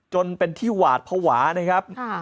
จนเป็นที่หวาดภาวะนะครับ